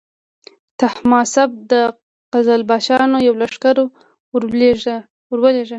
تهماسب د قزلباشانو یو لښکر ورولېږه.